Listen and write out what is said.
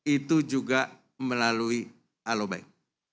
itu juga melalui alo bank